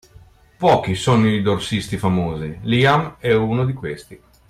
Pochi sono i dorsisti famosi, Liam è uno di questi.